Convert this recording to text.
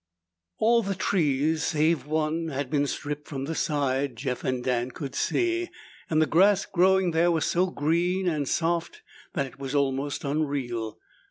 All the trees save one had been stripped from the side, Jeff and Dan could see, and the grass growing there was so green and soft that it was almost unreal.